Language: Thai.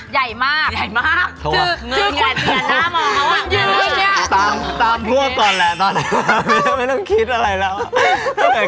ใหญ่มากเหญ้าแย่ที่เดี๋ยวหน้ามอ้วนอยู่นี่